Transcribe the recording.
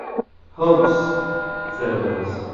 "Hoax," said a Voice.